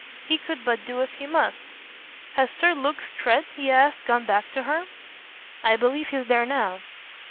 He could but do as he must. "Has Sir Luke Strett," he asked, "gone back to her?" "I believe he's there now."